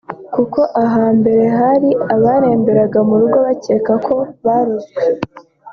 kuko hambere hari abaremberaga mu rugo bakeka ko barozwe